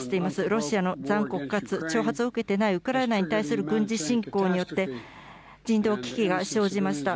ロシアの残酷かつ挑発を受けてないウクライナに対する軍事侵攻によって、人道危機が生じました。